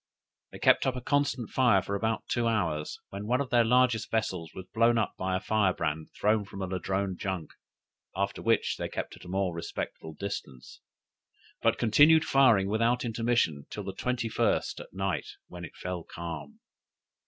They kept up a constant fire for about two hours, when one of their largest vessels was blown up by a firebrand thrown from a Ladrone junk; after which they kept at a more respectful distance, but continued firing without intermission till the 21st at night, when it fell calm.